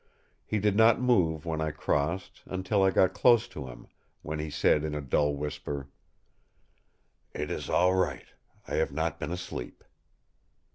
He did not move when I crossed, until I got close to him, when he said in a dull whisper: "It is all right; I have not been asleep!"